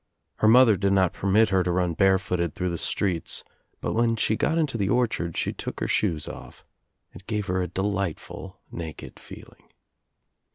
Her mother did not permit her to run bare fooled through the streets but when she got Into the orchard she took her shoes ofF. It gave her a delightful naked feeling.